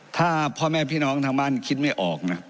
ถ้าพ่อแม่พี่น้องทางบ้านคิดไม่ออกนะ